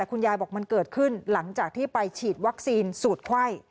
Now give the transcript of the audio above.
คุณยายบอกมันเกิดขึ้นหลังจากที่ไปฉีดวัคซีนสูตรไข้